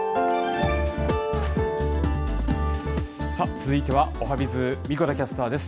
続いてはおはＢｉｚ、神子田キャスターです。